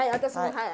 はい。